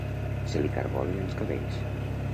Se li cargolen els cabells.